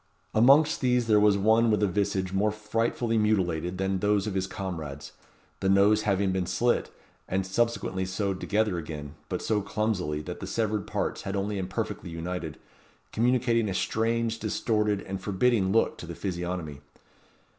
Amongst these there was one with a visage more frightfully mutilated than those of his comrades; the nose having been slit, and subsequently sewed together again, but so clumsily that the severed parts had only imperfectly united, communicating a strange, distorted, and forbidding look to the physiognomy.